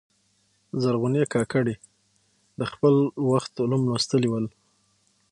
زرغونې کاکړي د خپل وخت علوم لوستلي ول.